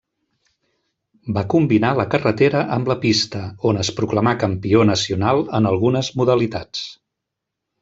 Va combinar la carretera amb la pista, on es proclamà campió nacional en algunes modalitats.